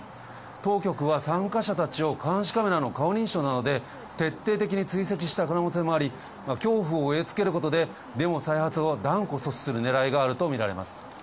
当局は参加者たちを監視カメラの顔認証などで、徹底的に追跡した可能性もあり、恐怖を植え付けることで、デモ再発を断固阻止するねらいがあると見られます。